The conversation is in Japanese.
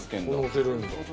のせるんだ。